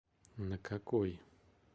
На какой?